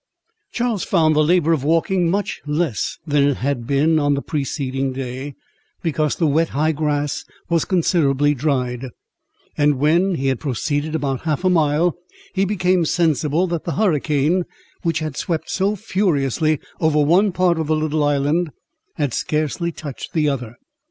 Charles found the labour of walking much less than it had been on the preceding day, because the wet high grass was considerably dried; and when he had proceeded about half a mile, he became sensible that the hurricane which had swept so furiously over one part of the little island, had scarcely touched the other.